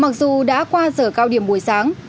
mặc dù đã qua giờ cao điểm buổi sáng